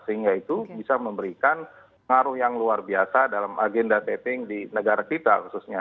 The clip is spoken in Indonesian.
sehingga itu bisa memberikan pengaruh yang luar biasa dalam agenda setting di negara kita khususnya